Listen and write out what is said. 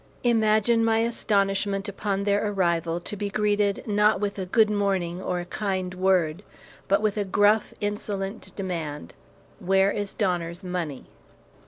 Imagine my astonishment upon their arrival to be greeted, not with a 'Good morning' or a kind word, but with a gruff, insolent demand, 'Where is Donner's money?'